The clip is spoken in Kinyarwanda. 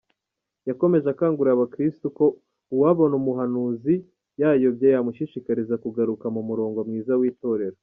Yakomeje akangurira abakirisitu ko uwabona umuhanuzi yayobye yamushishikariza kugaruka mu murongo mwiza w’Itorero.